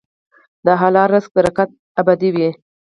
د حلال رزق برکت ابدي وي.